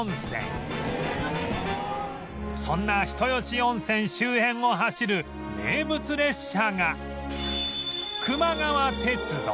そんな人吉温泉周辺を走る名物列車が